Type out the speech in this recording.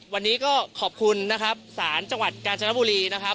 วันนี้ก็ขอบคุณนะครับศาลจังหวัดกาญจนบุรีนะครับ